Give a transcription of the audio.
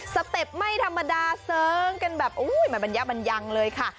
สเต็ปไม่ธรรมดาเซิงกันแบบอุ้ยมันยักษ์มันยังเลยค่ะ